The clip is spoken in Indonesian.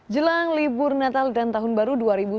jelang libur natal dan tahun baru dua ribu dua puluh